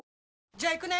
じゃあ行くね！